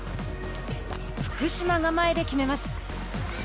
福島が前で決めます。